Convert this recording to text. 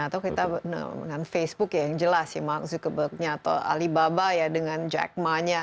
atau kita dengan facebook ya yang jelas ya mark zuckerberg nya atau alibaba ya dengan jack ma nya